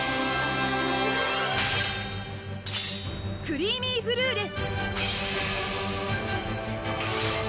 クリーミーフルーレ！